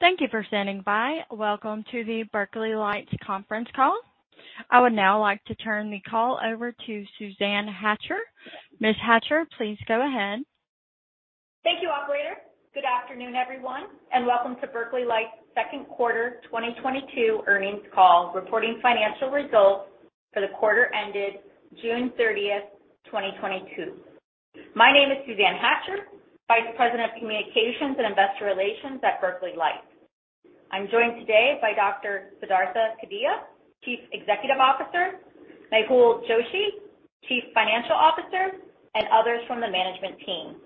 Thank you for standing by. Welcome to the Berkeley Lights conference call. I would now like to turn the call over to Suzanne Hatcher. Ms. Hatcher, please go ahead. Thank you, operator. Good afternoon, everyone, and welcome to Berkeley Lights' second quarter 2022 earnings call, reporting financial results for the quarter ended June 30th, 2022. My name is Suzanne Hatcher, Vice President of Communications and Investor Relations at Berkeley Lights. I'm joined today by Dr. Siddhartha Kadia, Chief Executive Officer, Mehul Joshi, Chief Financial Officer, and others from the management team.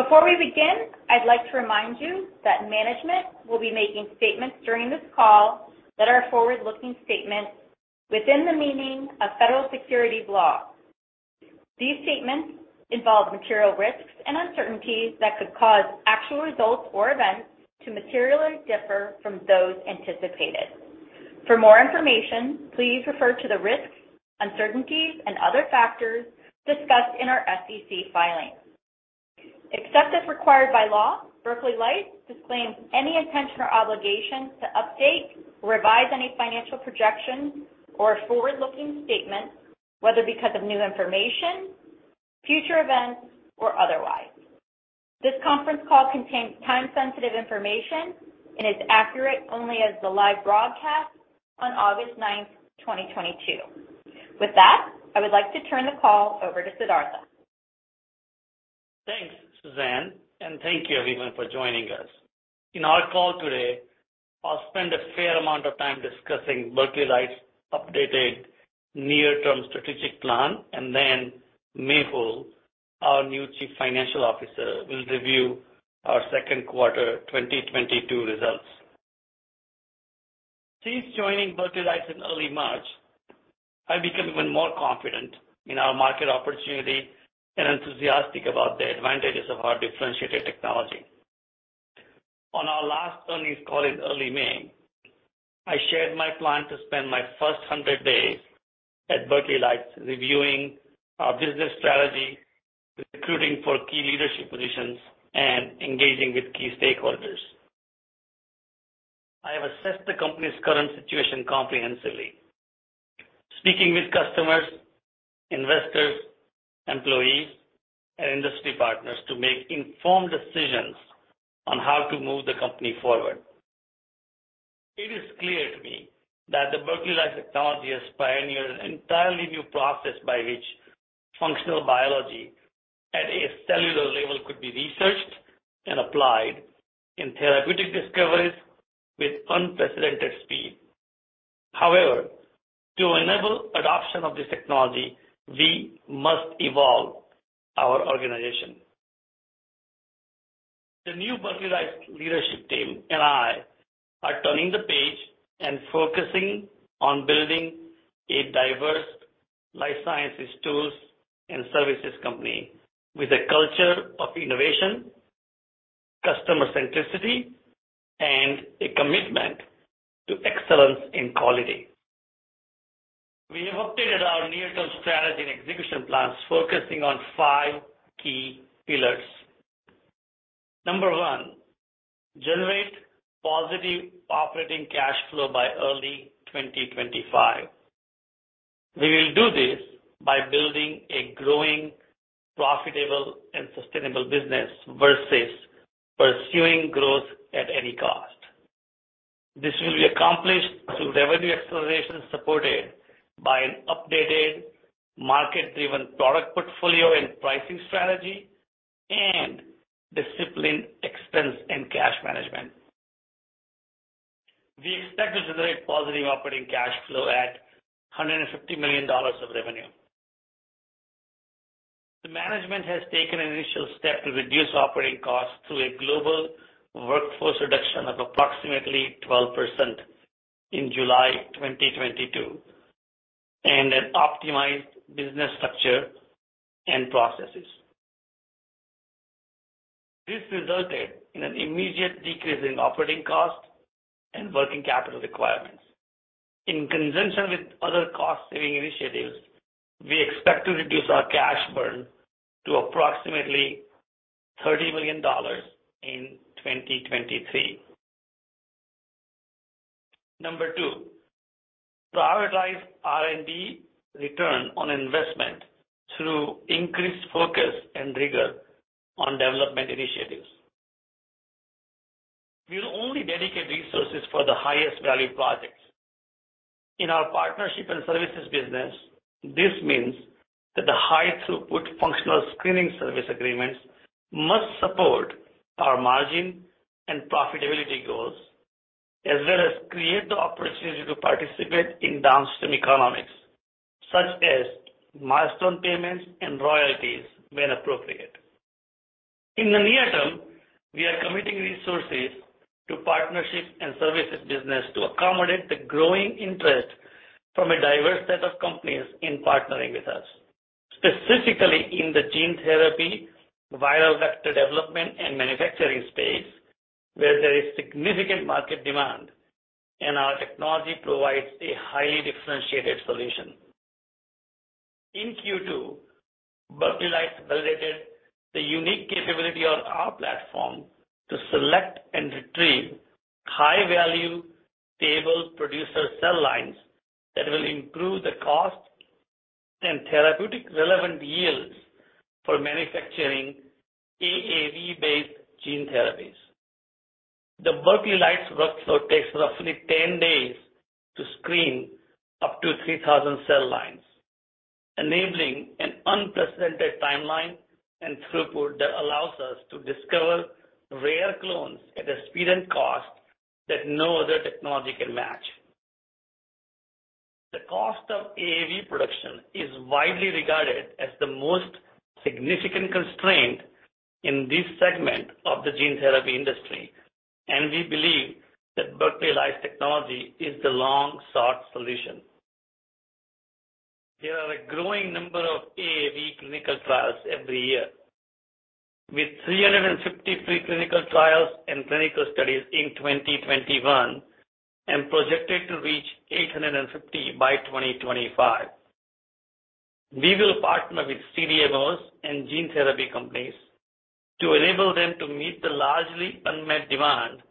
Before we begin, I'd like to remind you that management will be making statements during this call that are forward-looking statements within the meaning of federal securities law. These statements involve material risks and uncertainties that could cause actual results or events to materially differ from those anticipated. For more information, please refer to the risks, uncertainties, and other factors discussed in our SEC filings. Except as required by law, Berkeley Lights disclaims any intention or obligation to update or revise any financial projections or forward-looking statements, whether because of new information, future events, or otherwise. This conference call contains time-sensitive information and is accurate only as the live broadcast on August 9th, 2022. With that, I would like to turn the call over to Siddhartha. Thanks, Suzanne, and thank you everyone for joining us. In our call today, I'll spend a fair amount of time discussing Berkeley Lights' updated near-term strategic plan, and then Mehul, our new Chief Financial Officer, will review our second quarter 2022 results. Since joining Berkeley Lights in early March, I've become even more confident in our market opportunity and enthusiastic about the advantages of our differentiated technology. On our last earnings call in early May, I shared my plan to spend my first 100 days at Berkeley Lights reviewing our business strategy, recruiting for key leadership positions, and engaging with key stakeholders. I have assessed the company's current situation comprehensively, speaking with customers, investors, employees, and industry partners to make informed decisions on how to move the company forward. It is clear to me that the Berkeley Lights technology has pioneered an entirely new process by which functional biology at a cellular level could be researched and applied in therapeutic discoveries with unprecedented speed. However, to enable adoption of this technology, we must evolve our organization. The new Berkeley Lights leadership team and I are turning the page and focusing on building a diverse life sciences tools and services company with a culture of innovation, customer centricity, and a commitment to excellence and quality. We have updated our near-term strategy and execution plans, focusing on five key pillars. Number one, generate positive operating cash flow by early 2025. We will do this by building a growing, profitable, and sustainable business versus pursuing growth at any cost. This will be accomplished through revenue acceleration supported by an updated market-driven product portfolio and pricing strategy and disciplined expense and cash management. We expect to generate positive operating cash flow at $150 million of revenue. The management has taken an initial step to reduce operating costs through a global workforce reduction of approximately 12% in July 2022, and an optimized business structure and processes. This resulted in an immediate decrease in operating costs and working capital requirements. In conjunction with other cost-saving initiatives, we expect to reduce our cash burn to approximately $30 million in 2023. Number two, prioritize R&D return on investment through increased focus and rigor on development initiatives. We will only dedicate resources for the highest value projects. In our partnership and services business, this means that the high throughput functional screening service agreements must support our margin and profitability goals, as well as create the opportunity to participate in downstream economics, such as milestone payments and royalties when appropriate. In the near term, we are committing resources to partnerships and services business to accommodate the growing interest from a diverse set of companies in partnering with us, specifically in the gene therapy, viral vector development and manufacturing space, where there is significant market demand and our technology provides a highly differentiated solution. In Q2, Berkeley Lights validated the unique capability on our platform to select and retrieve high-value, stable producer cell lines that will improve the cost and therapeutically relevant yields for manufacturing AAV-based gene therapies. The Berkeley Lights workflow takes roughly 10 days to screen up to 3,000 cell lines, enabling an unprecedented timeline and throughput that allows us to discover rare clones at a speed and cost that no other technology can match. The cost of AAV production is widely regarded as the most significant constraint in this segment of the gene therapy industry, and we believe that Berkeley Lights technology is the long-sought solution. There are a growing number of AAV clinical trials every year, with 350 pre-clinical trials and clinical studies in 2021 and projected to reach 850 by 2025. We will partner with CDMOs and gene therapy companies to enable them to meet the largely unmet demand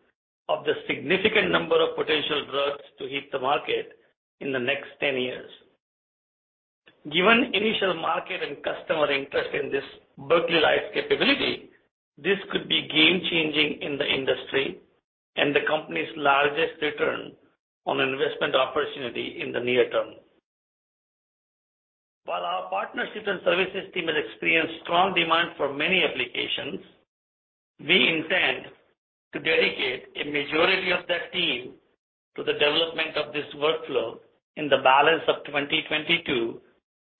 of the significant number of potential drugs to hit the market in the next 10 years. Given initial market and customer interest in this Berkeley Lights capability, this could be game-changing in the industry and the company's largest return on investment opportunity in the near term. While our partnerships and services team has experienced strong demand for many applications, we intend to dedicate a majority of that team to the development of this workflow in the balance of 2022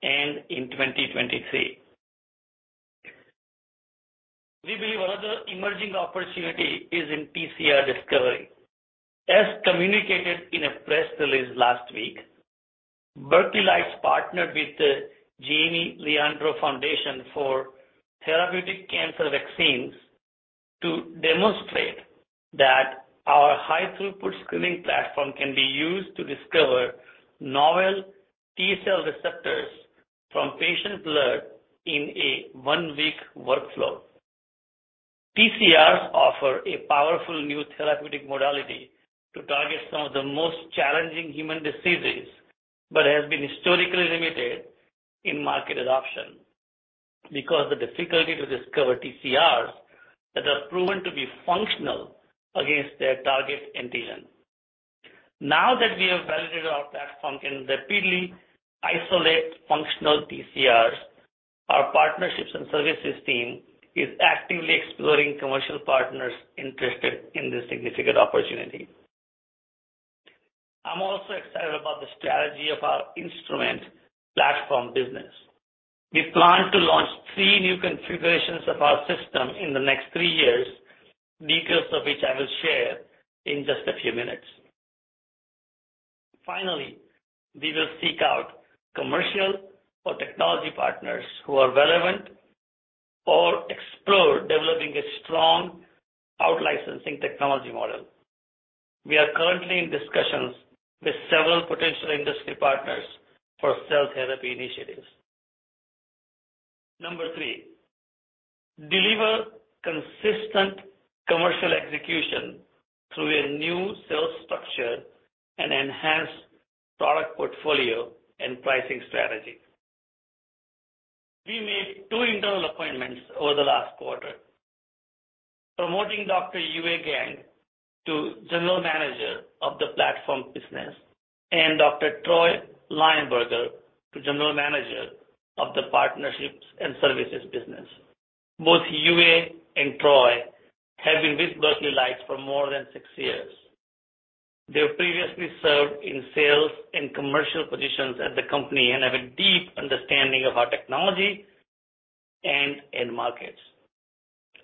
and in 2023. We believe another emerging opportunity is in TCR discovery. As communicated in a press release last week, Berkeley Lights partnered with the Jaime Leandro Foundation for Therapeutic Cancer Vaccines to demonstrate that our high-throughput screening platform can be used to discover novel T-cell receptors from patient blood in a one-week workflow. TCRs offer a powerful new therapeutic modality to target some of the most challenging human diseases, but has been historically limited in market adoption because the difficulty to discover TCRs that are proven to be functional against their target antigen. Now that we have validated our platform can rapidly isolate functional TCRs, our partnerships and services team is actively exploring commercial partners interested in this significant opportunity. I'm also excited about the strategy of our instrument platform business. We plan to launch three new configurations of our system in the next three years, details of which I will share in just a few minutes. Finally, we will seek out commercial or technology partners who are relevant or explore developing a strong out-licensing technology model. We are currently in discussions with several potential industry partners for cell therapy initiatives. Number three, deliver consistent commercial execution through a new sales structure and enhanced product portfolio and pricing strategy. We made two internal appointments over the last quarter, promoting Dr. Yue Geng to General Manager of the platform business and Dr. Troy Lionberger to General Manager of the partnerships and services business. Both Yue and Troy have been with Berkeley Lights for more than six years. They previously served in sales and commercial positions at the company and have a deep understanding of our technology and end markets.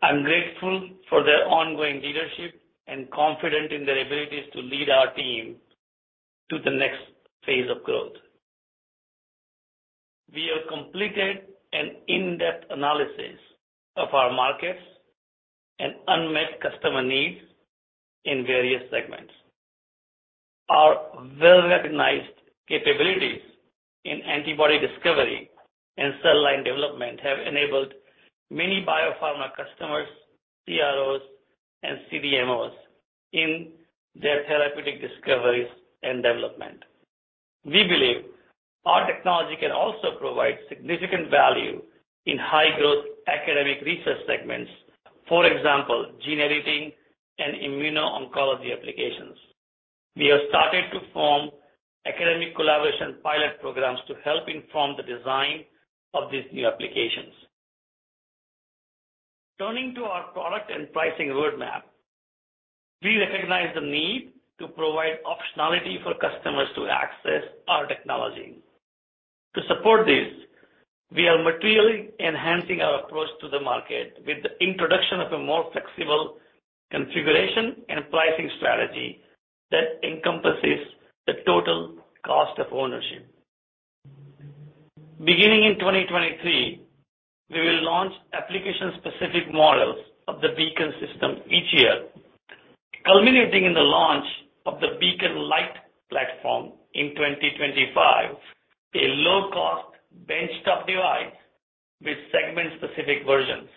I'm grateful for their ongoing leadership and confident in their abilities to lead our team to the next phase of growth. We have completed an in-depth analysis of our markets and unmet customer needs in various segments. Our well-recognized capabilities in antibody discovery and cell line development have enabled many biopharma customers, CROs, and CDMOs in their therapeutic discoveries and development. We believe our technology can also provide significant value in high-growth academic research segments. For example, gene editing and immuno-oncology applications. We have started to form academic collaboration pilot programs to help inform the design of these new applications. Turning to our product and pricing roadmap, we recognize the need to provide optionality for customers to access our technology. To support this, we are materially enhancing our approach to the market with the introduction of a more flexible configuration and pricing strategy that encompasses the total cost of ownership. Beginning in 2023, we will launch application-specific models of the Beacon System each year, culminating in the Beacon Light platform in 2025, a low-cost benchtop device with segment-specific versions.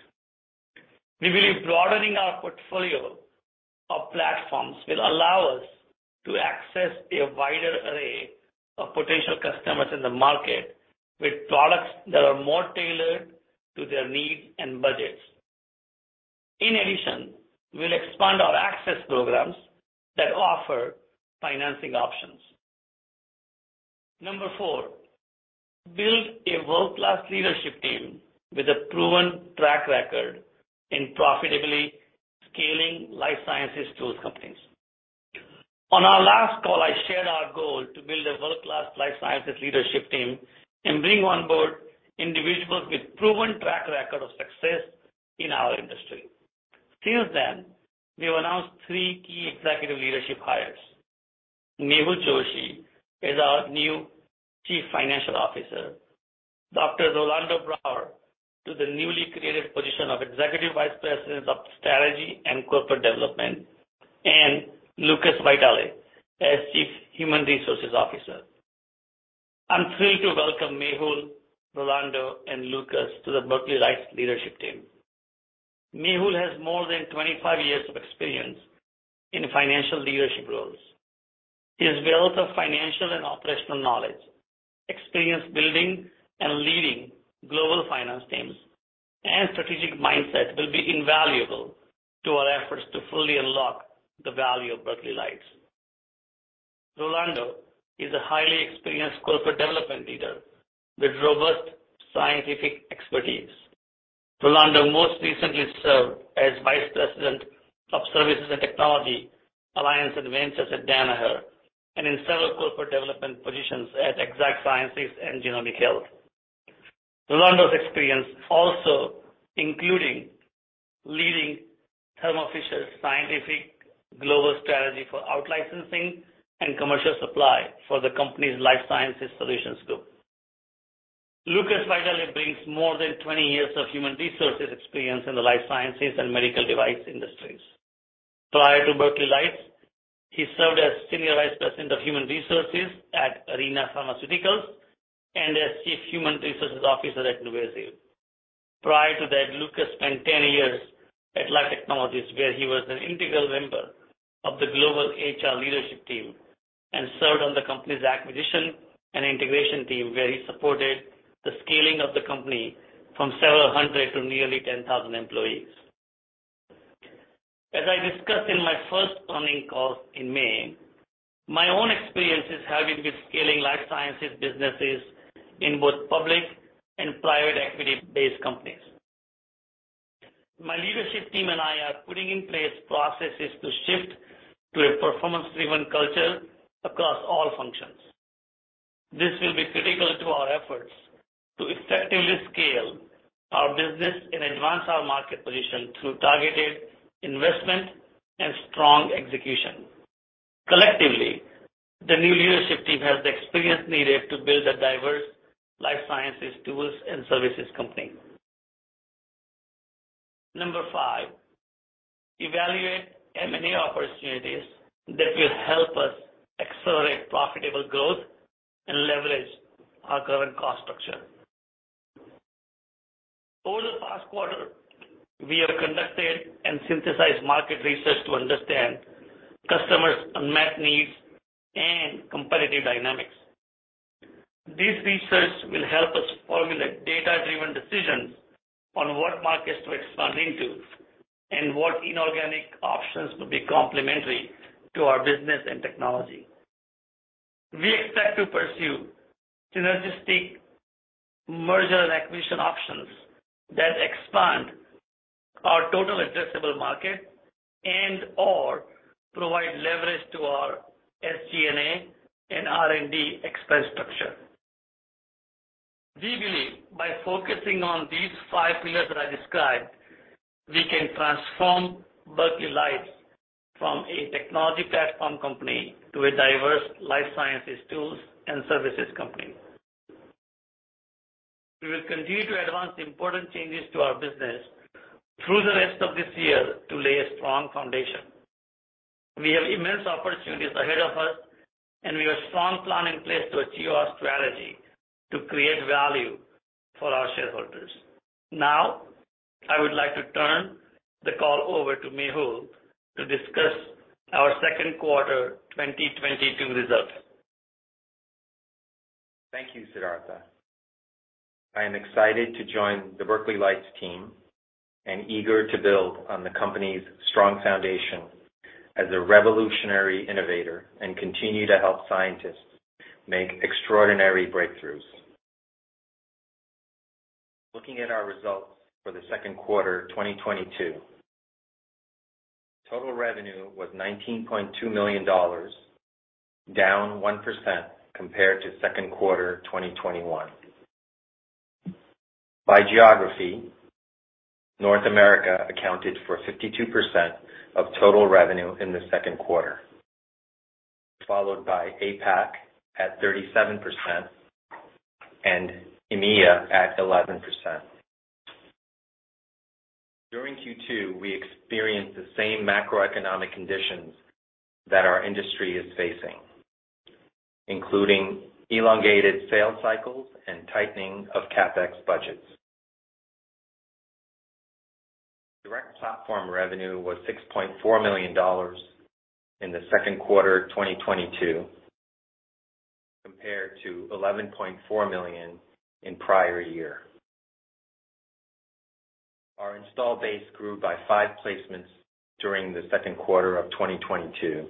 We believe broadening our portfolio of platforms will allow us to access a wider array of potential customers in the market with products that are more tailored to their needs and budgets. In addition, we'll expand our access programs that offer financing options. Number four, build a world-class leadership team with a proven track record in profitably scaling life sciences tools companies. On our last call, I shared our goal to build a world-class life sciences leadership team and bring on board individuals with proven track record of success in our industry. Since then, we've announced three key executive leadership hires. Mehul Joshi is our new Chief Financial Officer. Dr. Rolando Brawer to the newly created position of Executive Vice President of Strategy and Corporate Development, and Lucas Vitale as Chief Human Resources Officer. I'm thrilled to welcome Mehul, Rolando, and Lucas to the Berkeley Lights leadership team. Mehul has more than 25 years of experience in financial leadership roles. His wealth of financial and operational knowledge, experience building and leading global finance teams, and strategic mindset will be invaluable to our efforts to fully unlock the value of Berkeley Lights. Rolando is a highly experienced corporate development leader with robust scientific expertise. Rolando most recently served as Vice President of Services and Technology, Alliance, And Ventures at Danaher, and in several corporate development positions at Exact Sciences and Genomic Health. Rolando's experience also includes leading Thermo Fisher's scientific global strategy for out-licensing and commercial supply for the company's life sciences solutions group. Lucas Vitale brings more than 20 years of human resources experience in the life sciences and medical device industries. Prior to Berkeley Lights, he served as Senior Vice President of Human Resources at Arena Pharmaceuticals and as Chief Human Resources Officer at NuVasive. Prior to that, Lucas spent 10 years at Life Technologies, where he was an integral member of the global HR leadership team and served on the company's acquisition and integration team, where he supported the scaling of the company from several hundred to nearly 10,000 employees. As I discussed in my first earnings call in May, my own experience is having with scaling life sciences businesses in both public and private equity-based companies. My leadership team and I are putting in place processes to shift to a performance-driven culture across all functions. This will be critical to our efforts to effectively scale our business and advance our market position through targeted investment and strong execution. Collectively, the new leadership team has the experience needed to build a diverse life sciences tools and services company. Number five, evaluate M&A opportunities that will help us accelerate profitable growth and leverage our current cost structure. Over the past quarter, we have conducted and synthesized market research to understand customers' unmet needs and competitive dynamics. This research will help us formulate data-driven decisions on what markets to expand into and what inorganic options will be complementary to our business and technology. We expect to pursue synergistic merger and acquisition options that expand our total addressable market and/or provide leverage to our SG&A and R&D expense structure. We believe by focusing on these five pillars that I described, we can transform Berkeley Lights from a technology platform company to a diverse life sciences tools and services company. We will continue to advance important changes to our business through the rest of this year to lay a strong foundation. We have immense opportunities ahead of us, and we have strong plan in place to achieve our strategy to create value for our shareholders. Now, I would like to turn the call over to Mehul to discuss our second quarter 2022 results. Thank you, Siddhartha. I am excited to join the Berkeley Lights team and eager to build on the company's strong foundation as a revolutionary innovator and continue to help scientists make extraordinary breakthroughs. Looking at our results for Q2 2022. Total revenue was $19.2 million, down 1% compared to Q2 2021. By geography, North America accounted for 52% of total revenue in the second quarter, followed by APAC at 37%, and EMEA at 11%. Q2, we experienced the same macroeconomic conditions that our industry is facing, including elongated sales cycles and tightening of CapEx budgets. Direct platform revenue was $6.4 million in the second quarter 2022, compared to $11.4 million in prior year. Our install base grew by 5 placements during the second quarter of 2022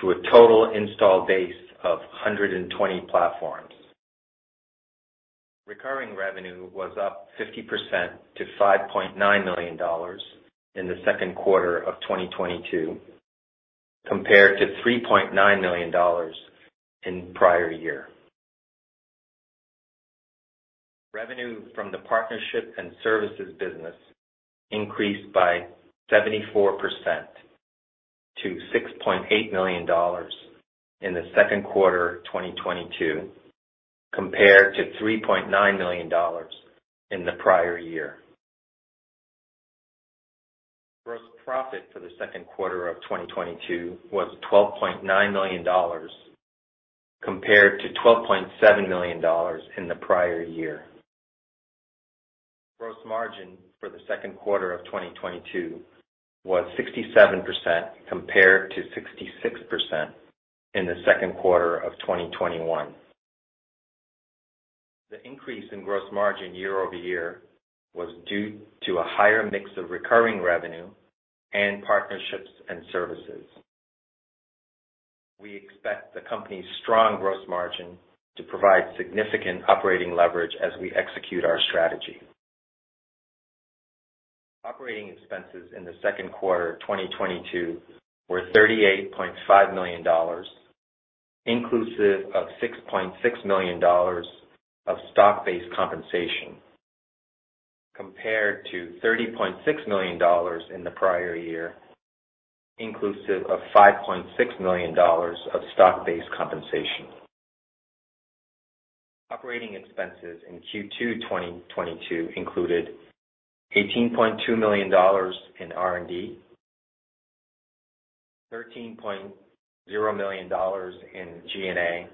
to a total install base of 120 platforms. Recurring revenue was up 50% to $5.9 million in the second quarter of 2022, compared to $3.9 million in prior year. Revenue from the partnership and services business increased by 74% to $6.8 million in the second quarter of 2022, compared to $3.9 million in the prior year. Gross profit for the second quarter of 2022 was $12.9 million compared to $12.7 million in the prior year. Gross margin for the second quarter of 2022 was 67% compared to 66% in the second quarter of 2021. The increase in gross margin year-over-year was due to a higher mix of recurring revenue and partnerships and services. We expect the company's strong gross margin to provide significant operating leverage as we execute our strategy. Operating expenses in the second quarter of 2022 were $38.5 million, inclusive of $6.6 million of stock-based compensation, compared to $30.6 million in the prior year, inclusive of $5.6 million of stock-based compensation. Operating expenses in Q2 2022 included $18.2 million in R&D, $13.0 million in G&A,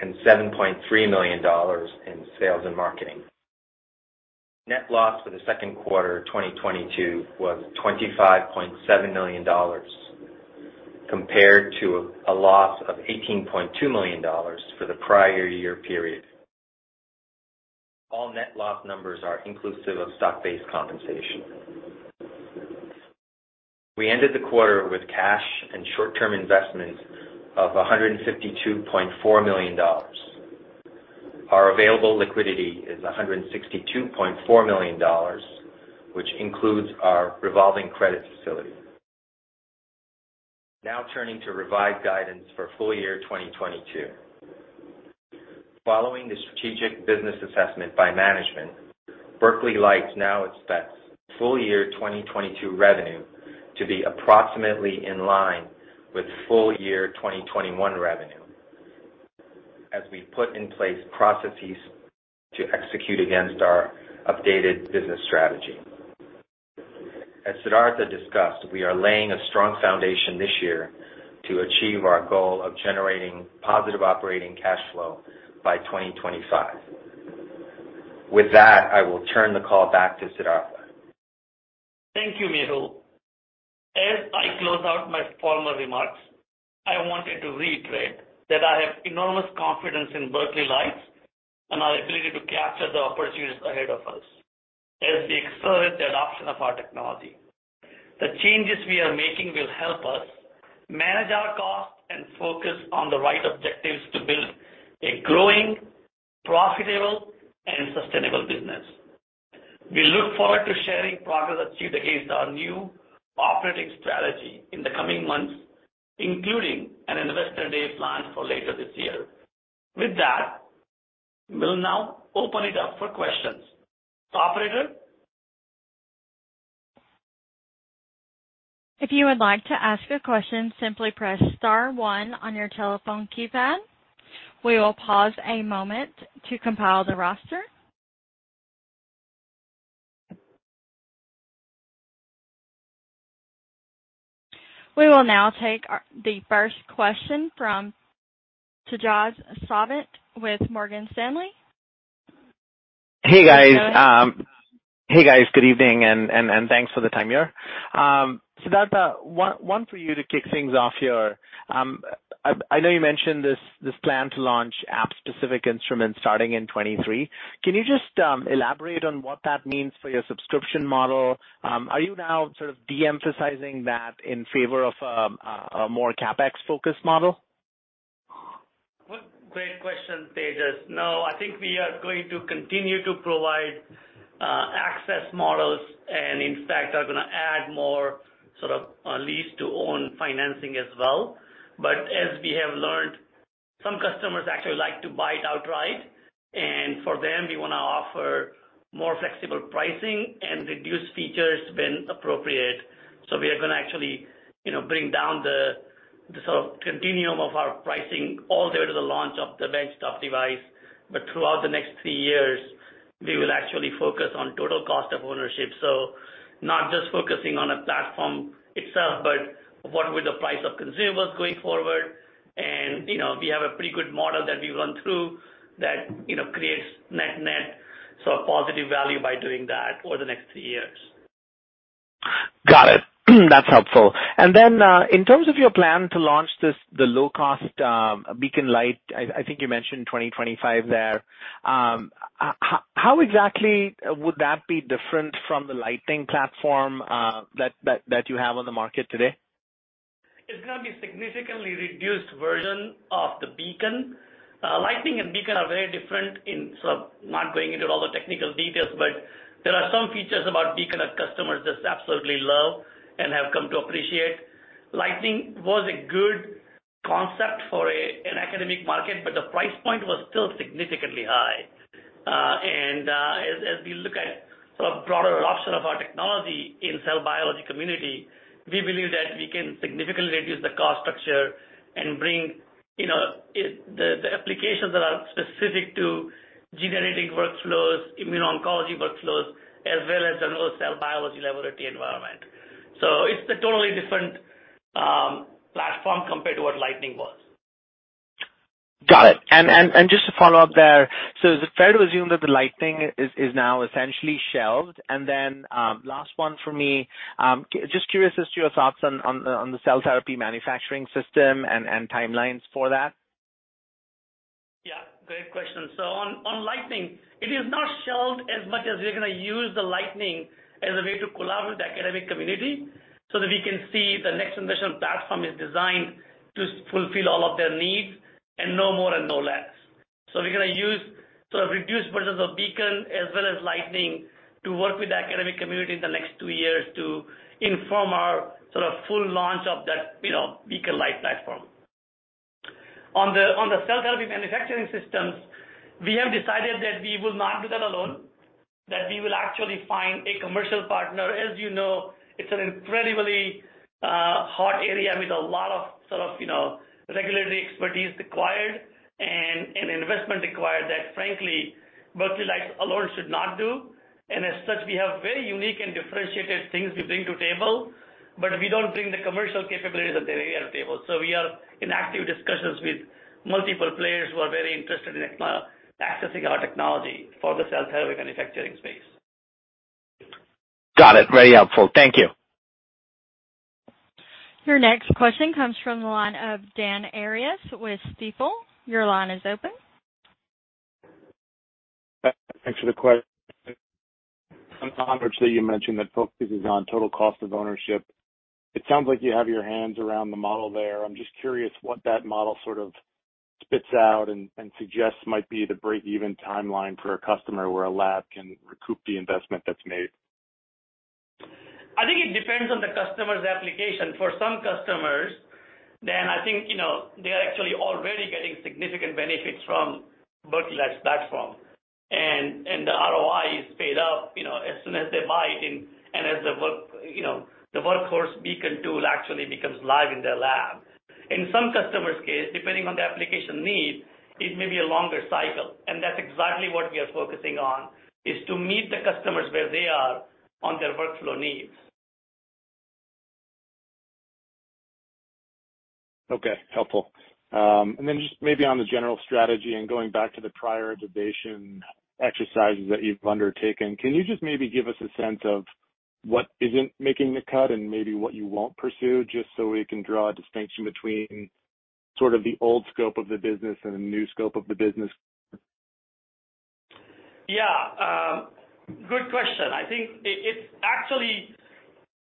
and $7.3 million in sales and marketing. Net loss for the second quarter of 2022 was $25.7 million, compared to a loss of $18.2 million for the prior year period. All net loss numbers are inclusive of stock-based compensation. We ended the quarter with cash and short-term investments of $152.4 million. Our available liquidity is $162.4 million, which includes our revolving credit facility. Now turning to revised guidance for full year 2022. Following the strategic business assessment by management, Berkeley Lights now expects full year 2022 revenue to be approximately in line with full year 2021 revenue as we put in place processes to execute against our updated business strategy. As Siddhartha discussed, we are laying a strong foundation this year to achieve our goal of generating positive operating cash flow by 2025. With that, I will turn the call back to Siddhartha. Thank you, Mehul. As I close out my formal remarks, I wanted to reiterate that I have enormous confidence in Berkeley Lights and our ability to capture the opportunities ahead of us as we accelerate the adoption of our technology. The changes we are making will help us manage our costs and focus on the right objectives to build a growing, profitable, and sustainable business. We look forward to sharing progress achieved against our new operating strategy in the coming months, including an Investor Day plan for later this year. With that, we'll now open it up for questions. Operator? If you would like to ask a question, simply press star one on your telephone keypad. We will pause a moment to compile the roster. We will now take the first question from Tejas Savant with Morgan Stanley. Hey, guys. Good evening, thanks for the time here. Siddhartha, one for you to kick things off here. I know you mentioned this plan to launch app-specific instruments starting in 2023. Can you just elaborate on what that means for your subscription model? Are you now sort of de-emphasizing that in favor of a more CapEx-focused model? Well, great question, Tejas. No, I think we are going to continue to provide access models and, in fact, are gonna add more sort of lease-to-own financing as well. As we have learned, some customers actually like to buy it outright, and for them, we wanna offer more flexible pricing and reduce features when appropriate. We are gonna actually, you know, bring down the sort of continuum of our pricing all the way to the launch of the benchtop device. Throughout the next three years, we will actually focus on total cost of ownership. Not just focusing on a platform itself, but what will the price of consumables going forward. You know, we have a pretty good model that we run through that, you know, creates net-net, sort of positive value by doing that over the next three years. Got it. That's helpful. In terms of your plan to launch this, the low cost Beacon Light, I think you mentioned 2025 there. How exactly would that be different from the Lightning platform, that you have on the market today? It's gonna be significantly reduced version of the Beacon. Lightning and Beacon are very different in sort of. Not going into all the technical details, but there are some features about Beacon our customers just absolutely love and have come to appreciate. Lightning was a good concept for an academic market, but the price point was still significantly high. As we look at sort of broader adoption of our technology in cell biology community, we believe that we can significantly reduce the cost structure and bring, you know, the applications that are specific to generating workflows, immuno-oncology workflows, as well as the low cell biology laboratory environment. It's a totally different platform compared to what Lightning was. Got it. Just to follow up there, so is it fair to assume that the Lightning is now essentially shelved? Last one for me, just curious as to your thoughts on the cell therapy manufacturing system and timelines for that. Yeah, great question. On Lightning, it is not shelved as much as we're gonna use the Lightning as a way to collaborate with the academic community so that we can see the next generation platform is designed to fulfill all of their needs and no more and no less. We're gonna use sort of reduced versions of Beacon as well as Lightning to work with the academic community in the next two years to inform our sort of full launch of that, you know, Beacon Light platform. On the cell therapy manufacturing systems, we have decided that we will not do that alone, that we will actually find a commercial partner. As you know, it's an incredibly hot area with a lot of sort of, you know, regulatory expertise required and an investment required that, frankly, Berkeley Lights alone should not do. As such, we have very unique and differentiated things we bring to the table, but we don't bring the commercial capabilities to the table. We are in active discussions with multiple players who are very interested in accessing our technology for the cell therapy manufacturing space. Got it. Very helpful. Thank you. Your next question comes from the line of Dan Arias with Stifel. Your line is open. Thanks for the question. On the coverage that you mentioned that focuses on total cost of ownership, it sounds like you have your hands around the model there. I'm just curious what that model sort of spits out and suggests might be the break-even timeline for a customer where a lab can recoup the investment that's made. I think it depends on the customer's application. For some customers, then I think, you know, they are actually already getting significant benefits from Berkeley Lights' platform, and the ROI is paid up, you know, as soon as they buy it and as the Workhorse Beacon tool actually becomes live in their lab. In some customers' case, depending on the application need, it may be a longer cycle, and that's exactly what we are focusing on, is to meet the customers where they are on their workflow needs. Okay. Helpful. Just maybe on the general strategy and going back to the prioritization exercises that you've undertaken, can you just maybe give us a sense of what isn't making the cut and maybe what you won't pursue, just so we can draw a distinction between sort of the old scope of the business and the new scope of the business? Yeah. Good question. I think it's actually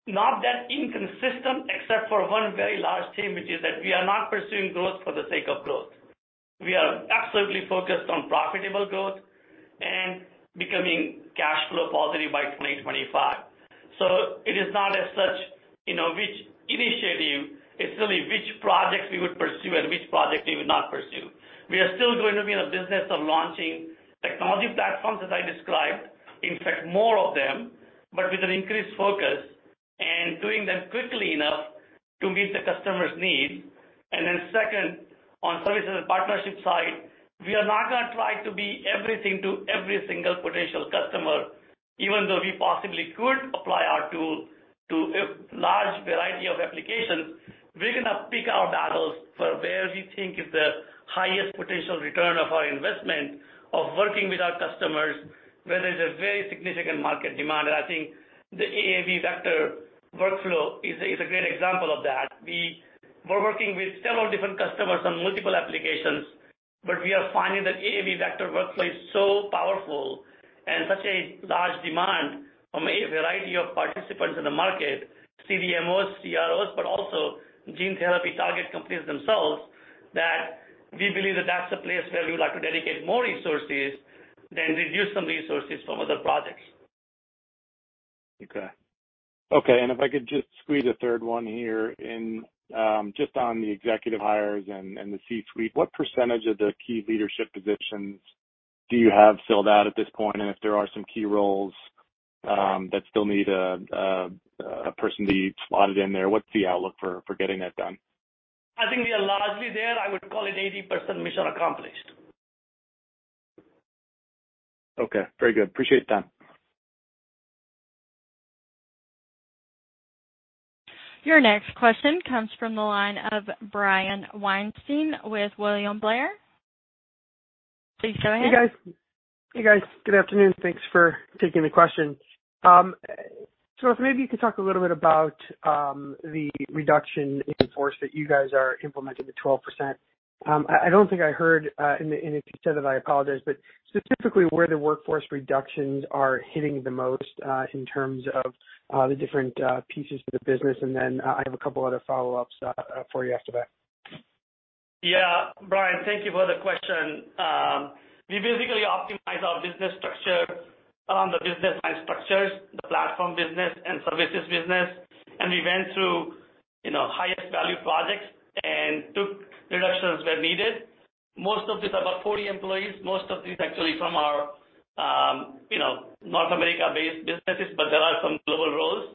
not that inconsistent except for one very large thing, which is that we are not pursuing growth for the sake of growth. We are absolutely focused on profitable growth and becoming cash flow positive by 2025. It is not as such, you know, which initiative, it's really which projects we would pursue and which projects we would not pursue. We are still going to be in a business of launching technology platforms, as I described, in fact more of them, but with an increased focus and doing them quickly enough to meet the customer's needs. Then second, on services and partnership side, we are not gonna try to be everything to every single potential customer. Even though we possibly could apply our tool to a large variety of applications, we're gonna pick our battles for where we think is the highest potential return of our investment of working with our customers, where there's a very significant market demand. I think the AAV vector workflow is a great example of that. We're working with several different customers on multiple applications, but we are finding that AAV vector workflow is so powerful and such a large demand from a variety of participants in the market, CDMO, CROs, but also gene therapy target companies themselves, that we believe that that's a place where we would like to dedicate more resources than reduce some resources from other projects. Okay, and if I could just squeeze a third one here in, just on the executive hires and the C-suite. What percentage of the key leadership positions do you have filled out at this point? If there are some key roles that still need a person to be slotted in there. What's the outlook for getting that done? I think we are largely there. I would call it 80% mission accomplished. Okay, very good. Appreciate the time. Your next question comes from the line of Brian Weinstein with William Blair. Please go ahead. Hey, guys. Good afternoon. Thanks for taking the question. If maybe you could talk a little bit about the reduction in force that you guys are implementing, the 12%. I don't think I heard, and if you said that, I apologize, but specifically where the workforce reductions are hitting the most, in terms of the different pieces of the business. I have a couple other follow-ups for you after that. Yeah, Brian, thank you for the question. We basically optimized our business structure, the business line structures, the platform business and services business, and we went through, you know, highest value projects and took reductions where needed. Most of it's about 40 employees. Most of these actually from our, you know, North America-based businesses, but there are some global roles.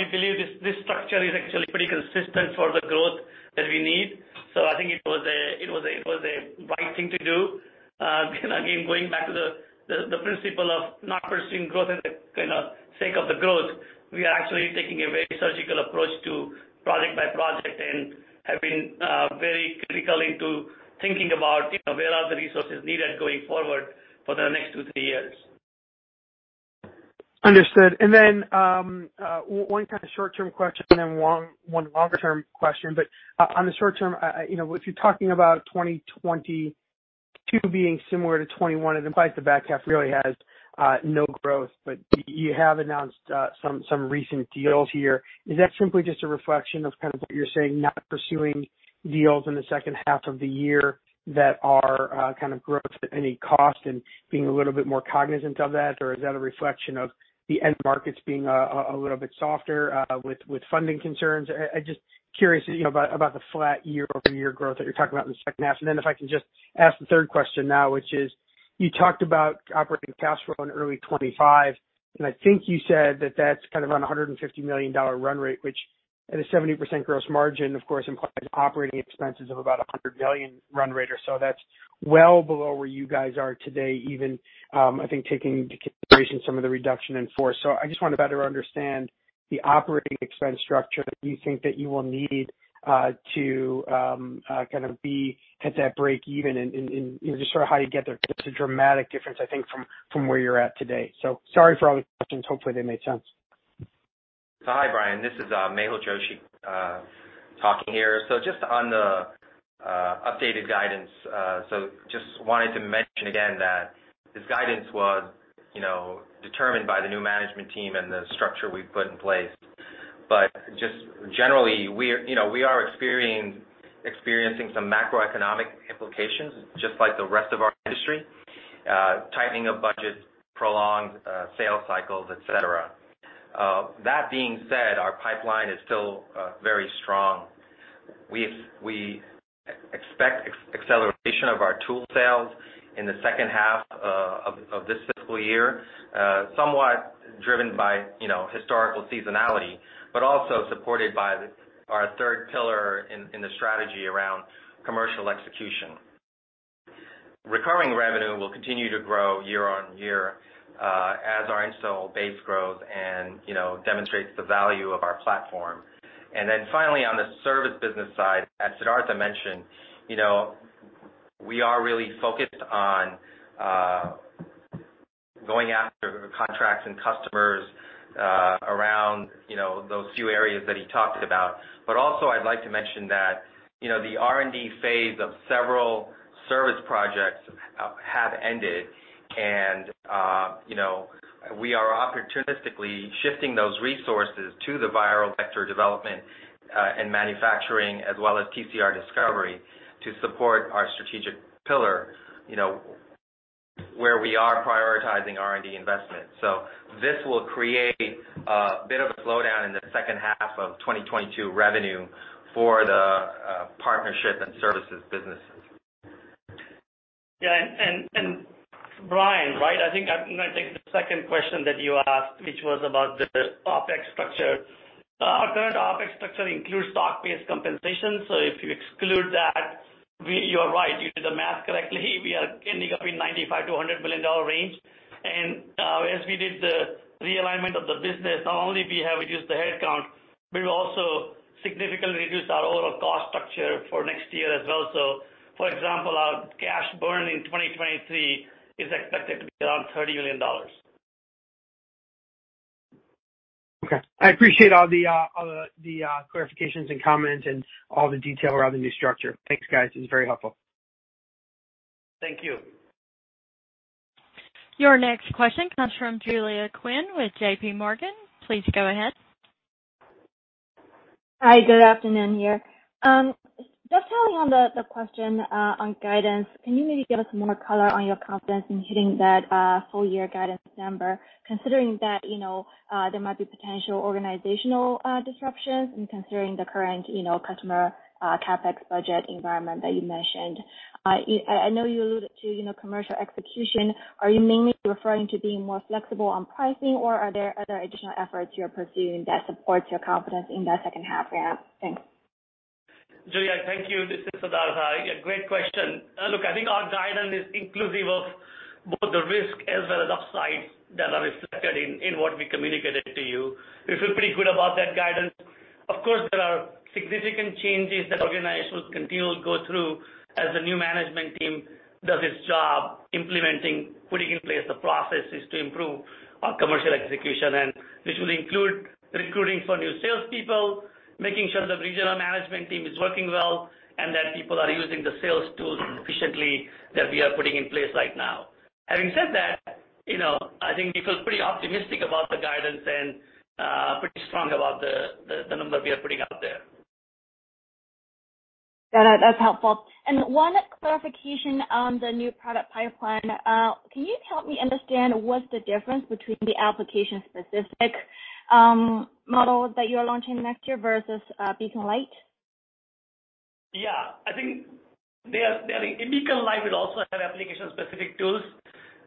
We believe this structure is actually pretty consistent for the growth that we need. I think it was a right thing to do. Again, going back to the principle of not pursuing growth in the, you know, sake of the growth, we are actually taking a very surgical approach to project by project and have been very critical into thinking about, you know, where are the resources needed going forward for the next two, three years. Understood. Then, one kind of short-term question and one longer term question. On the short term, you know, if you're talking about 2022 being similar to 2021, and implies the back half really has no growth, but you have announced some recent deals here. Is that simply just a reflection of kind of what you're saying, not pursuing deals in the second half of the year that are kind of growth at any cost and being a little bit more cognizant of that? Is that a reflection of the end markets being a little bit softer with funding concerns? I just curious, you know, about the flat year-over-year growth that you're talking about in the second half. If I can just ask the third question now, which is you talked about operating cash flow in early 2025, and I think you said that that's kind of on a $150 million run rate, which at a 70% gross margin, of course, implies operating expenses of about a $100 million run rate or so. That's well below where you guys are today even, I think taking into consideration some of the reduction in force. I just want to better understand the operating expense structure that you think that you will need to kind of be at that break even and just sort of how you get there. It's a dramatic difference, I think, from where you're at today. Sorry for all the questions. Hopefully, they made sense. Hi, Brian. This is Mehul Joshi talking here. Just on the updated guidance. Just wanted to mention again that this guidance was, you know, determined by the new management team and the structure we've put in place. Just generally, we're, you know, we are experiencing some macroeconomic implications just like the rest of our industry, tightening of budgets, prolonged sales cycles, et cetera. That being said, our pipeline is still very strong. We expect acceleration of our tool sales in the second half of this fiscal year, somewhat driven by, you know, historical seasonality, but also supported by our third pillar in the strategy around commercial execution. Recurring revenue will continue to grow year on year as our install base grows and, you know, demonstrates the value of our platform. Finally, on the service business side, as Siddhartha mentioned, you know, we are really focused on going after contracts and customers around, you know, those few areas that he talked about. Also I'd like to mention that, you know, the R&D phase of several service projects have ended and, you know, we are opportunistically shifting those resources to the viral vector development and manufacturing as well as TCR discovery to support our strategic pillar, you know, where we are prioritizing R&D investment. This will create a bit of a slowdown in the second half of 2022 revenue for the partnership and services businesses. Yeah, Brian, right? I think the second question that you asked, which was about the OpEx structure. Our current OpEx structure includes stock-based compensation, so if you exclude that, you're right. You did the math correctly. We are ending up in $95 million-$100 million range. As we did the realignment of the business, not only we have reduced the headcount, we've also significantly reduced our overall cost structure for next year as well. For example, our cash burn in 2023 is expected to be around $30 million. Okay. I appreciate all the clarifications and comments and all the detail around the new structure. Thanks, guys. It's very helpful. Thank you. Your next question comes from Julia Qin with JPMorgan. Please go ahead. Hi, good afternoon here. Following on the question on guidance, can you maybe give us more color on your confidence in hitting that full year guidance number, considering that, you know, there might be potential organizational disruptions and considering the current, you know, customer CapEx budget environment that you mentioned? I know you alluded to, you know, commercial execution. Are you mainly referring to being more flexible on pricing, or are there other additional efforts you're pursuing that supports your confidence in the second half ramp? Thanks. Julia, thank you. This is Siddhartha Kadia. Yeah, great question. Look, I think our guidance is inclusive of both the risk as well as upside that are reflected in what we communicated to you. We feel pretty good about that guidance. Of course, there are significant changes that organizations continue to go through as the new management team does its job implementing, putting in place the processes to improve our commercial execution. This will include recruiting for new salespeople, making sure the regional management team is working well, and that people are using the sales tools efficiently that we are putting in place right now. Having said that, you know, I think we feel pretty optimistic about the guidance and pretty strong about the number we are putting out there. Got it. That's helpful. One clarification on the new product pipeline. Can you help me understand what's the difference between the application-specific model that you're launching next year versus Beacon Light? Yeah. I think they are. Beacon Light will also have application-specific tools.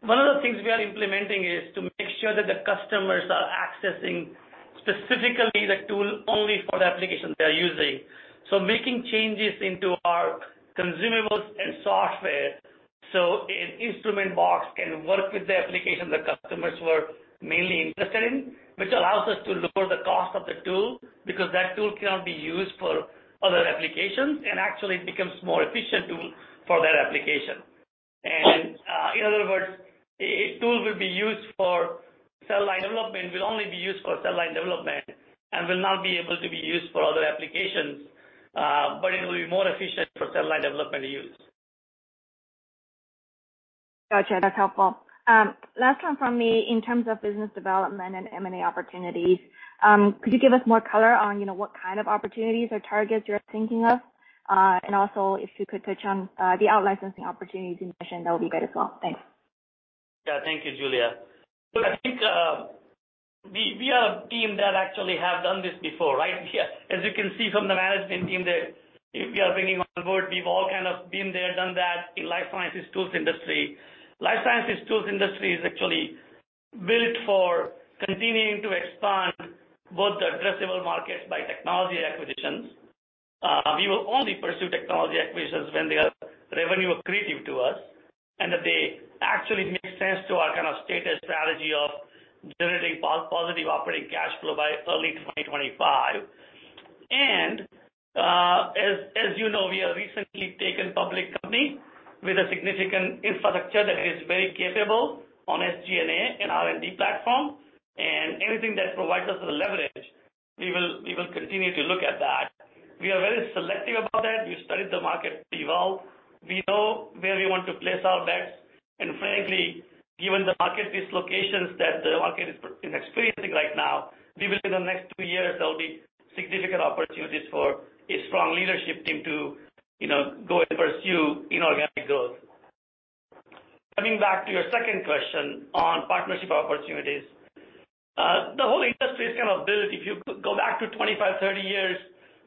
One of the things we are implementing is to make sure that the customers are accessing specifically the tool only for the application they are using. Making changes into our consumables and software, so an instrument box can work with the application the customers were mainly interested in, which allows us to lower the cost of the tool because that tool cannot be used for other applications and actually becomes more efficient tool for that application. In other words, a tool will be used for cell line development, will only be used for cell line development and will not be able to be used for other applications, but it will be more efficient for cell line development use. Got you. That's helpful. Last one from me. In terms of business development and M&A opportunities, could you give us more color on, you know, what kind of opportunities or targets you're thinking of? If you could touch on, the out-licensing opportunities you mentioned, that would be great as well. Thanks. Yeah. Thank you, Julia. Look, I think, we are a team that actually have done this before, right? As you can see from the management team that we are bringing on board, we've all kind of been there, done that in life sciences tools industry. Life sciences tools industry is actually built for continuing to expand both the addressable markets by technology acquisitions. We will only pursue technology acquisitions when they are revenue accretive to us and that they actually make sense to our kind of stated strategy of generating positive operating cash flow by early 2025. As you know, we have recently taken a public company with a significant infrastructure that is very capable on SG&A and R&D platform. Anything that provides us with a leverage, we will continue to look at that. We are very selective about that. We studied the market well. We know where we want to place our bets. Frankly, given the market dislocations that the market is experiencing right now, we believe in the next two years, there will be significant opportunities for a strong leadership team to, you know, go and pursue inorganic growth. Coming back to your second question on partnership opportunities. The whole industry is kind of built, if you go back to 25, 30 years,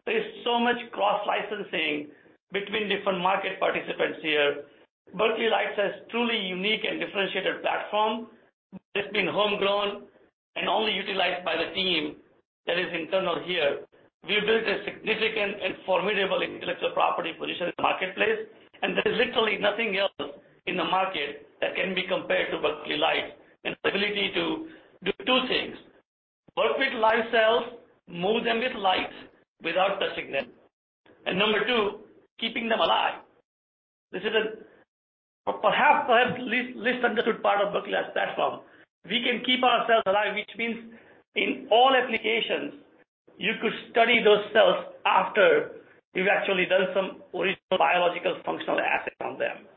there's so much cross-licensing between different market participants here. Berkeley Lights has truly unique and differentiated platform. It's been homegrown and only utilized by the team that is internal here. We built a significant and formidable intellectual property position in the marketplace, and there is literally nothing else in the market that can be compared to Berkeley Lights and the ability to do two things, work with live cells, move them with light without touching them, and number two, keeping them alive. This is a perhaps least understood part of Berkeley Lights' platform. We can keep our cells alive, which means in all applications, you could study those cells after you've actually done some original biological functional assay on them.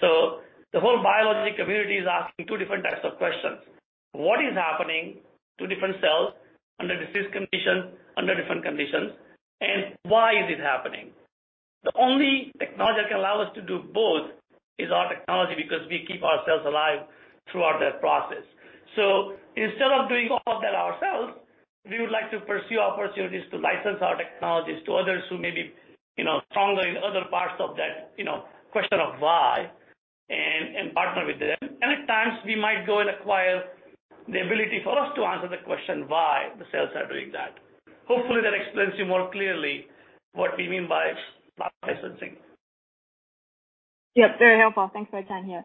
The whole biological community is asking two different types of questions. What is happening to different cells under disease condition, under different conditions, and why is it happening? The only technology that can allow us to do both is our technology, because we keep our cells alive throughout that process. Instead of doing all of that ourselves, we would like to pursue opportunities to license our technologies to others who may be, you know, stronger in other parts of that, you know, question of why and partner with them. At times, we might go and acquire the ability for us to answer the question, why the cells are doing that. Hopefully, that explains to you more clearly what we mean by out-licensing. Yep, very helpful. Thanks for your time here.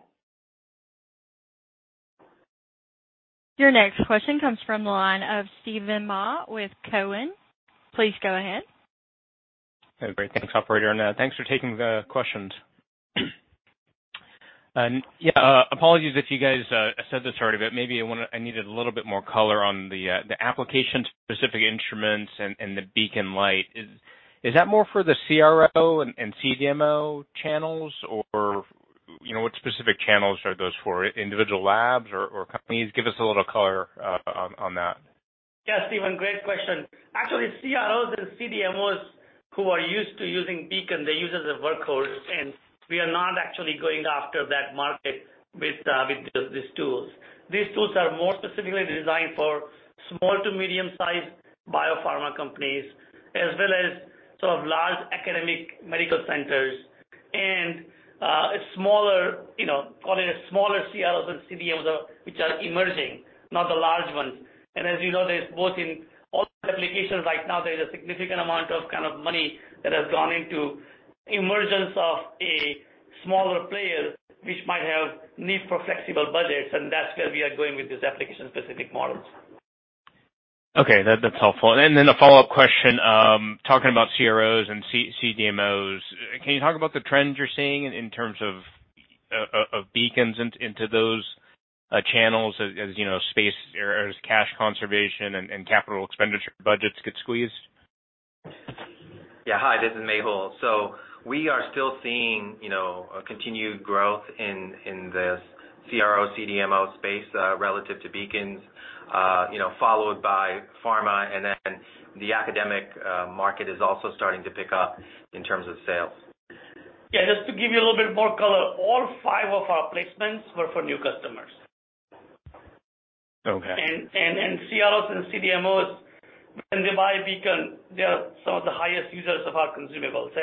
Your next question comes from the line of Steven Mah with Cowen. Please go ahead. Hey. Great. Thanks, operator, and thanks for taking the questions. Yeah, apologies if you guys said this already, but maybe I needed a little bit more color on the application-specific instruments and the Beacon Light. Is that more for the CRO and CDMO channels or, you know, what specific channels are those for? Individual labs or companies? Give us a little color on that. Yeah, Steven, great question. Actually, CROs and CDMOs who are used to using Beacon, they use as a workhorse, and we are not actually going after that market with these tools. These tools are more specifically designed for small to medium-sized biopharma companies, as well as sort of large academic medical centers and, smaller, you know, call it a smaller CROs and CDMOs which are emerging, not the large ones. As you know, there's both in all the applications right now, there's a significant amount of kind of money that has gone into emergence of a smaller player, which might have need for flexible budgets, and that's where we are going with this application-specific models. Okay. That's helpful. A follow-up question, talking about CROs and CDMOs. Can you talk about the trends you're seeing in terms of Beacons into those channels as, you know, spend or as cash conservation and capital expenditure budgets get squeezed? Hi, this is Mehul. We are still seeing, you know, a continued growth in this CRO/CDMO space relative to Beacon, you know, followed by pharma and then the academic market is also starting to pick up in terms of sales. Yeah, just to give you a little bit more color, all five of our placements were for new customers. Okay. CROs and CDMOs, when they buy a Beacon, they are some of the highest users of our consumables.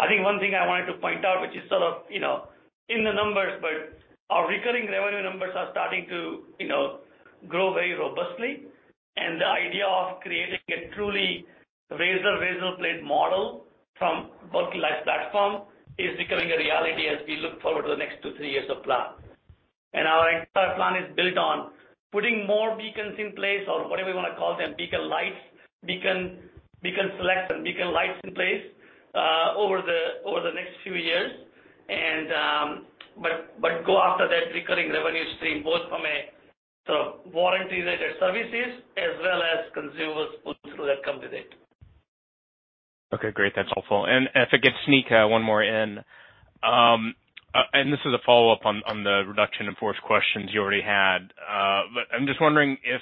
I think one thing I wanted to point out, which is sort of, you know, in the numbers, but our recurring revenue numbers are starting to, you know, grow very robustly. The idea of creating a truly razor-blade model from Berkeley Lights platform is becoming a reality as we look forward to the next two, three years of plan. Our entire plan is built on putting more Beacons in place or whatever you wanna call them, Beacon Light, Beacon Select and Beacon Light in place, over the next few years. Go after that recurring revenue stream, both from a sort of warranty-related services as well as consumables. Okay, great. That's helpful. If I could sneak one more in. This is a follow-up on the reduction in force questions you already had. I'm just wondering if,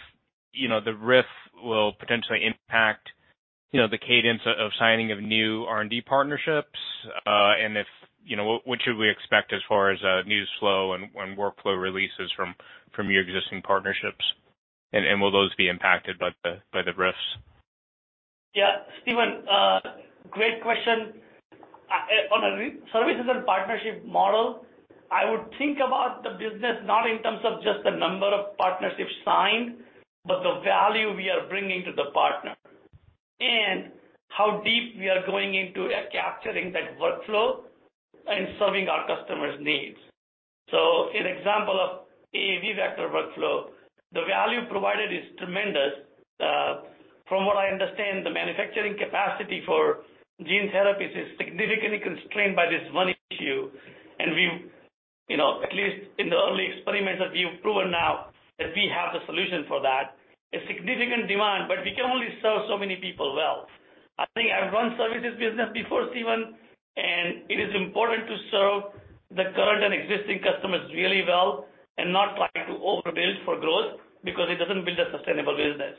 you know, the RIF will potentially impact, you know, the cadence of signing of new R&D partnerships. And if, you know, what should we expect as far as news flow and workflow releases from your existing partnerships? Will those be impacted by the RIFs? Yeah. Steven, great question. Services and partnership model, I would think about the business not in terms of just the number of partnerships signed, but the value we are bringing to the partner and how deep we are going into capturing that workflow and serving our customers' needs. So an example of AAV vector workflow, the value provided is tremendous. From what I understand, the manufacturing capacity for gene therapies is significantly constrained by this one issue. We, you know, at least in the early experiments that we've proven now that we have the solution for that, a significant demand, but we can only serve so many people well. I think I've run services business before, Steven, and it is important to serve the current and existing customers really well and not try to overbuild for growth because it doesn't build a sustainable business.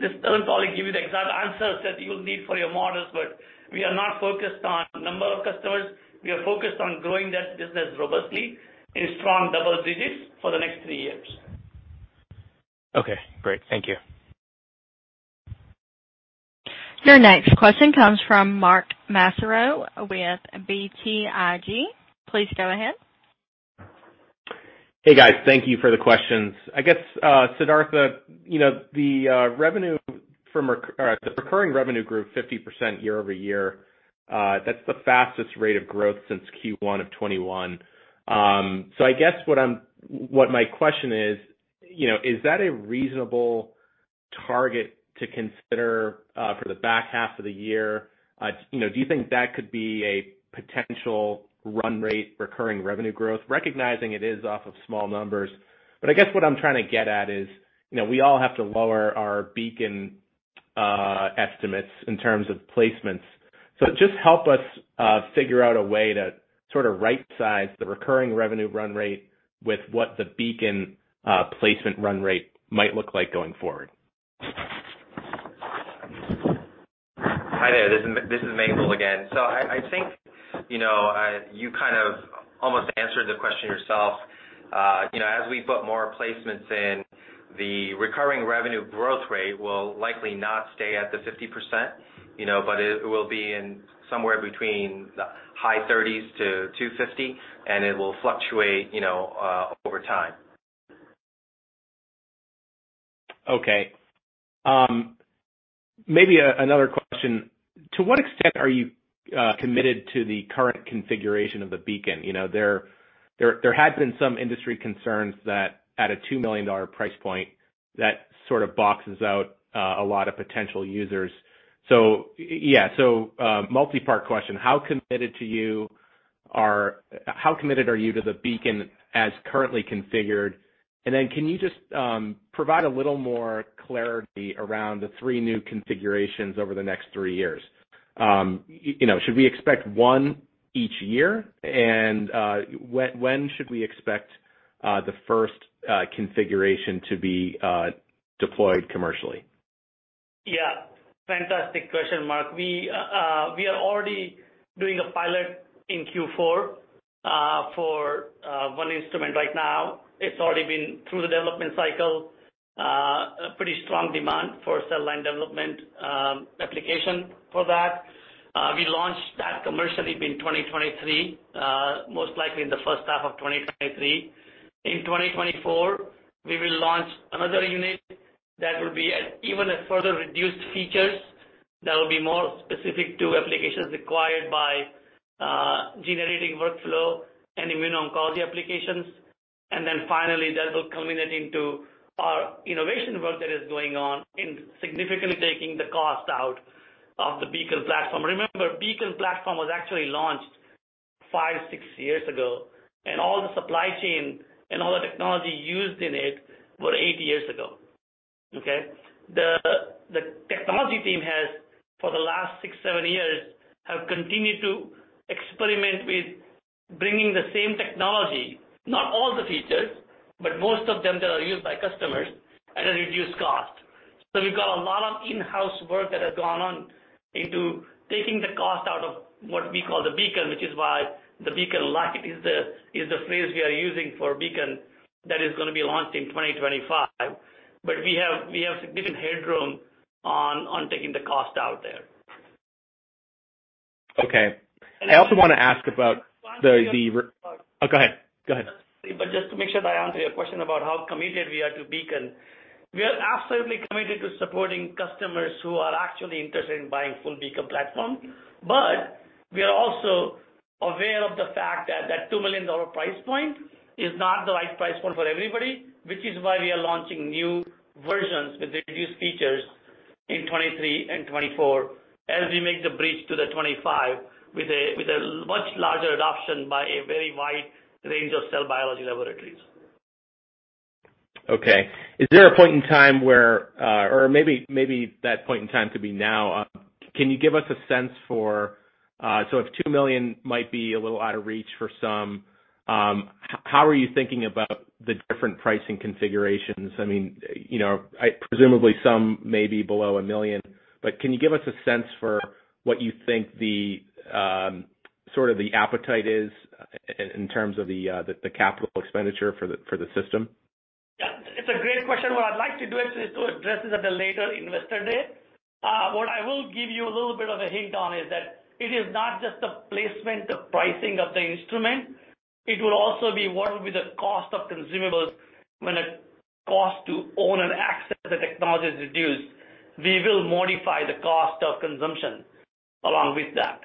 This doesn't probably give you the exact answers that you'll need for your models, but we are not focused on number of customers. We are focused on growing that business robustly in strong double digits for the next three years. Okay, great. Thank you. Your next question comes from Mark Massaro with BTIG. Please go ahead. Hey, guys. Thank you for the questions. I guess, Siddhartha, you know, the recurring revenue grew 50% year-over-year. That's the fastest rate of growth since Q1 of 2021. I guess what my question is, you know, is that a reasonable target to consider for the back half of the year? You know, do you think that could be a potential run rate recurring revenue growth, recognizing it is off of small numbers. I guess what I'm trying to get at is, you know, we all have to lower our Beacon estimates in terms of placements. Just help us figure out a way to sort of right-size the recurring revenue run rate with what the Beacon placement run rate might look like going forward. Hi there. This is Mehul again. I think, you know, you kind of almost answered the question yourself. You know, as we put more placements in, the recurring revenue growth rate will likely not stay at the 50%, you know, but it will be in somewhere between the high 30s to 250%, and it will fluctuate, you know, over time. Okay. Maybe another question. To what extent are you committed to the current configuration of the Beacon? You know, there has been some industry concerns that at a $2 million price point, that sort of boxes out a lot of potential users. Yeah. Multi-part question. How committed are you to the Beacon as currently configured? And then can you just provide a little more clarity around the three new configurations over the next three years? You know, should we expect one each year? And when should we expect the first configuration to be deployed commercially? Yeah, fantastic question, Mark. We are already doing a pilot in Q4 for one instrument right now. It's already been through the development cycle. A pretty strong demand for cell line development application for that. We launched that commercially in 2023, most likely in the first half of 2023. In 2024, we will launch another unit that will be at even a further reduced features that will be more specific to applications required by generating workflow and immuno-oncology applications. Finally, that will culminate into our innovation work that is going on in significantly taking the cost out of the Beacon platform. Remember, Beacon platform was actually launched five, six years ago, and all the supply chain and all the technology used in it were eight years ago. Okay? The technology team has, for the last six, seven years, have continued to experiment with bringing the same technology, not all the features, but most of them that are used by customers at a reduced cost. We've got a lot of in-house work that has gone on into taking the cost out of what we call the Beacon, which is why the Beacon Light is the phrase we are using for Beacon that is gonna be launched in 2025. We have significant headroom on taking the cost out there. Okay. I also wanna ask about. Oh, go ahead. Just to make sure that I answer your question about how committed we are to Beacon. We are absolutely committed to supporting customers who are actually interested in buying full Beacon platform. We are also aware of the fact that that $2 million price point is not the right price point for everybody, which is why we are launching new versions with reduced features in 2023 and 2024 as we make the bridge to the 2025 with a much larger adoption by a very wide range of cell biology laboratories. Okay. Is there a point in time where or maybe that point in time could be now. Can you give us a sense for so if $2 million might be a little out of reach for some, how are you thinking about the different pricing configurations? I mean, you know, presumably some may be below $1 million, but can you give us a sense for what you think the sort of the appetite is in terms of the capital expenditure for the system? Yeah, it's a great question. What I'd like to do is to address this at a later investor day. What I will give you a little bit of a hint on is that it is not just the placement, the pricing of the instrument. It will also be one with the cost of consumables. When a cost to own and access the technology is reduced, we will modify the cost of consumption along with that.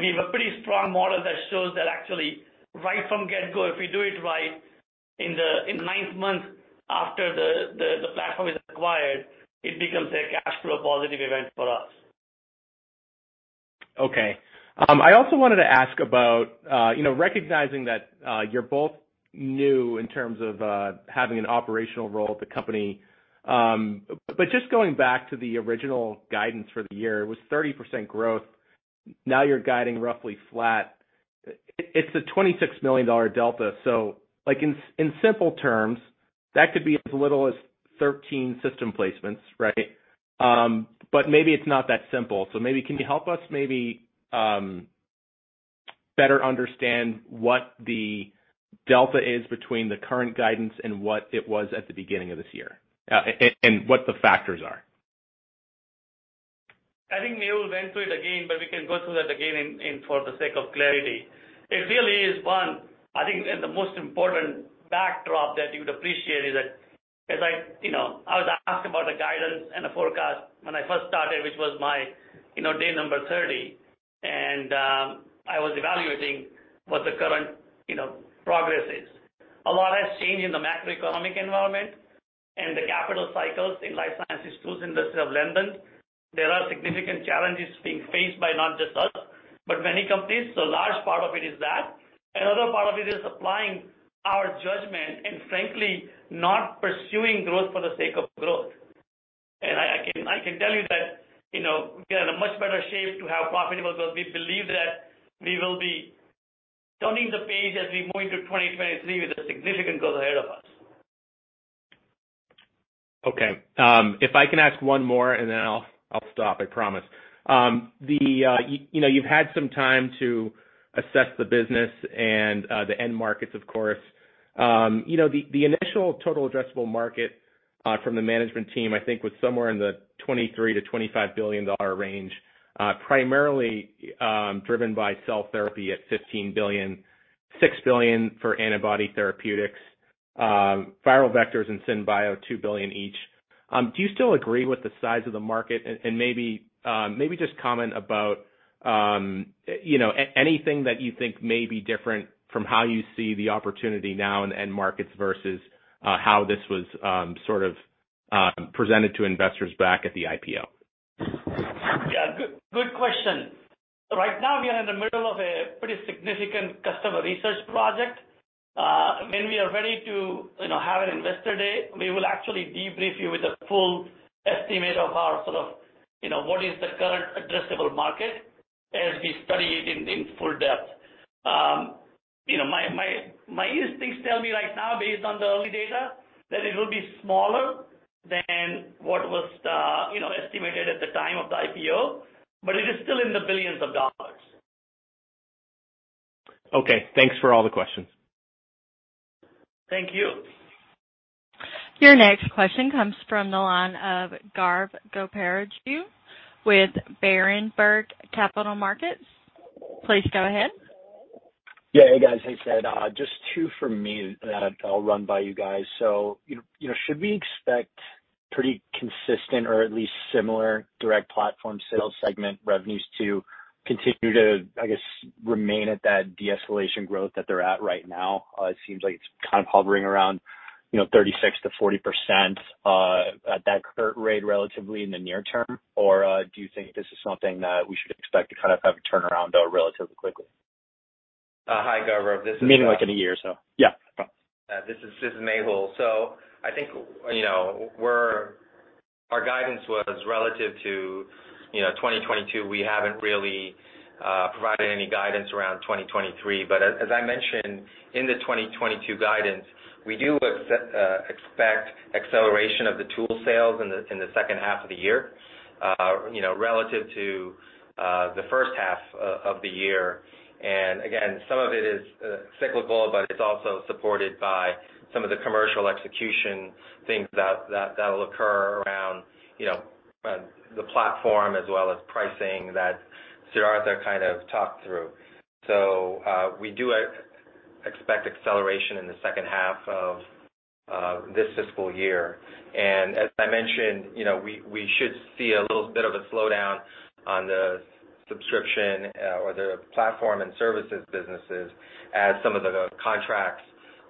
We have a pretty strong model that shows that actually right from get-go, if we do it right in the ninth month after the platform is acquired, it becomes a cash flow positive event for us. Okay. I also wanted to ask about, you know, recognizing that, you're both new in terms of, having an operational role at the company. Just going back to the original guidance for the year, it was 30% growth. Now you're guiding roughly flat. It's a $26 million delta. Like, in simple terms, that could be as little as 13 system placements, right? Maybe it's not that simple. Maybe can you help us maybe better understand what the delta is between the current guidance and what it was at the beginning of this year? And what the factors are. I think Mehul went through it again, but we can go through that again and for the sake of clarity. It really is one, I think, and the most important backdrop that you'd appreciate is that as I, you know, was asked about the guidance and the forecast when I first started, which was my, you know, day number 30, and I was evaluating what the current, you know, progress is. A lot has changed in the macroeconomic environment and the capital cycles in life sciences tools industry have lengthened. There are significant challenges being faced by not just us, but many companies. A large part of it is that. Another part of it is applying our judgment and frankly, not pursuing growth for the sake of growth. I can tell you that, you know, we are in a much better shape to have profitable growth. We believe that we will be turning the page as we move into 2023 with a significant growth ahead of us. Okay. If I can ask one more, and then I'll stop, I promise. You know, you've had some time to assess the business and the end markets, of course. You know, the initial total addressable market from the management team, I think was somewhere in the $23 billion-$25 billion range, primarily driven by cell therapy at $15 billion, $6 billion for antibody therapeutics. Viral vectors and synbio, $2 billion each. Do you still agree with the size of the market? Maybe just comment about you know, anything that you think may be different from how you see the opportunity now in the end markets versus how this was sort of presented to investors back at the IPO. Good question. Right now, we are in the middle of a pretty significant customer research project. When we are ready to, you know, have an investor day, we will actually debrief you with a full estimate of our sort of, you know, what is the current addressable market as we study it in full depth. My instincts tell me right now based on the early data, that it will be smaller than what was estimated at the time of the IPO, but it is still in the billions of dollars. Okay. Thanks for all the questions. Thank you. Your next question comes from the line of Gaurav Goparaju with Berenberg Capital Markets. Please go ahead. Hey, guys. Hey, Sid. Just two for me that I'll run by you guys. You know, should we expect pretty consistent or at least similar direct platform sales segment revenues to continue to, I guess, remain at that decelerating growth that they're at right now? It seems like it's kind of hovering around, you know, 36%-40%, at that current rate relatively in the near term. Do you think this is something that we should expect to kind of have a turnaround relatively quickly? Hi, Gaurav. This is, Meaning like in a year or so. Yeah. This is Mehul. I think, you know, our guidance was relative to, you know, 2022. We haven't really provided any guidance around 2023. As I mentioned in the 2022 guidance, we do expect acceleration of the tool sales in the second half of the year, you know, relative to the first half of the year. Again, some of it is cyclical, but it's also supported by some of the commercial execution things that that'll occur around, you know, the platform as well as pricing that Siddhartha kind of talked through. We do expect acceleration in the second half of this fiscal year. As I mentioned, you know, we should see a little bit of a slowdown on the subscription, or the platform and services businesses as some of the contracts,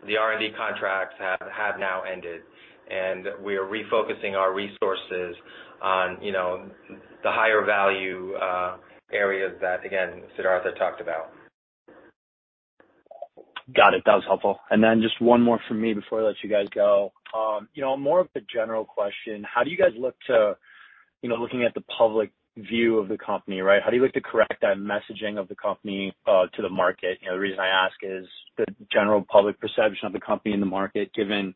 the R&D contracts have now ended. We are refocusing our resources on, you know, the higher value, areas that, again, Siddhartha talked about. Got it. That was helpful. Just one more from me before I let you guys go. You know, more of a general question. How do you guys look to, you know, looking at the public view of the company, right? How do you look to correct that messaging of the company to the market? You know, the reason I ask is the general public perception of the company in the market, given,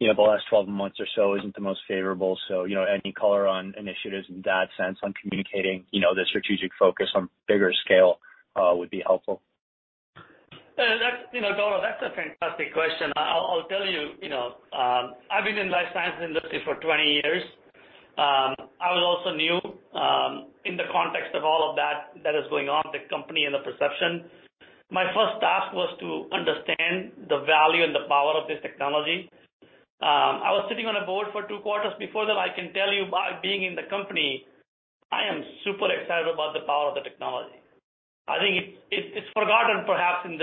you know, the last 12 months or so isn't the most favorable. You know, any color on initiatives in that sense on communicating, you know, the strategic focus on bigger scale would be helpful. That's, you know, Gaurav, that's a fantastic question. I'll tell you, you know, I've been in life sciences industry for 20 years. I was also new, in the context of all of that that is going on, the company and the perception. My first task was to understand the value and the power of this technology. I was sitting on a board for two quarters before that. I can tell you by being in the company, I am super excited about the power of the technology. I think it's forgotten perhaps in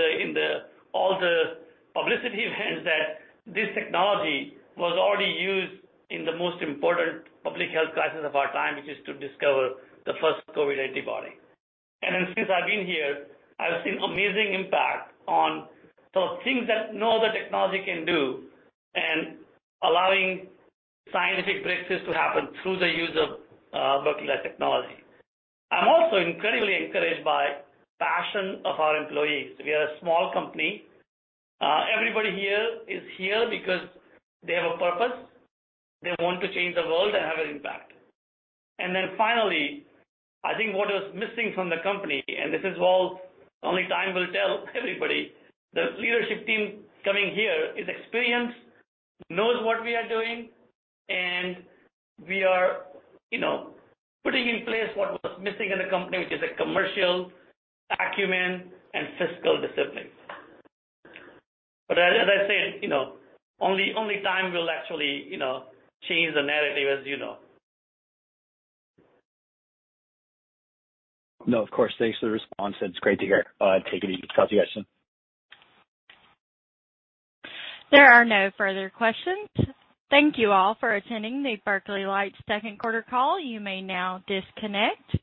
all the publicity events that this technology was already used in the most important public health crisis of our time, which is to discover the first COVID antibody. Since I've been here, I've seen amazing impact on the things that no other technology can do and allowing scientific breakthroughs to happen through the use of Berkeley Lights technology. I'm also incredibly encouraged by passion of our employees. We are a small company. Everybody here is here because they have a purpose. They want to change the world and have an impact. Finally, I think what is missing from the company, and this is all only time will tell, everybody, the leadership team coming here is experienced, knows what we are doing, and we are, you know, putting in place what was missing in the company, which is a commercial acumen and fiscal discipline. As I said, you know, only time will actually, you know, change the narrative as you know. No, of course. Thanks for the response. It's great to hear. Take it easy. Talk to you guys soon. There are no further questions. Thank you all for attending the Berkeley Lights' second quarter call. You may now disconnect.